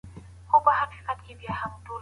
هم يې بېره ده ساتلي هم يې ټال دى